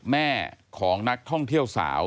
แม่ของนักท่องเที่ยวสาว